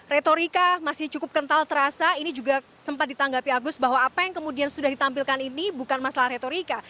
retorika masih cukup kental terasa ini juga sempat ditanggapi agus bahwa apa yang kemudian sudah ditampilkan ini bukan masalah retorika